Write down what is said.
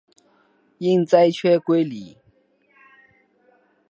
因裁缺归里。